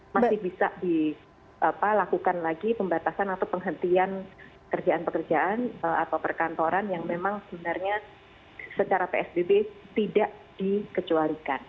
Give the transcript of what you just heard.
masih bisa dilakukan lagi pembatasan atau penghentian kerjaan pekerjaan atau perkantoran yang memang sebenarnya secara psbb tidak dikecualikan